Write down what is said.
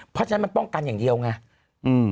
เพราะฉะนั้นมันป้องกันอย่างเดียวไง